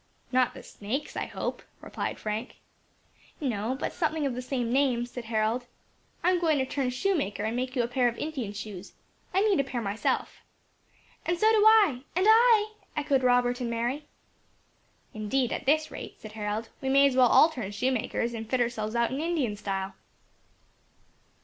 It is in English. "Not the snakes, I hope," replied Frank. "No, but something of the same name," said Harold; "I am going to turn shoemaker, and make you a pair of Indian shoes. I need a pair myself." "And so do I and I!" echoed Robert and Mary. "Indeed, at this rate," said Harold, "we may as well all turn shoemakers, and fit ourselves out in Indian style."